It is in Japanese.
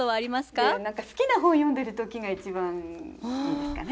何か好きな本を読んでる時が一番ですかね。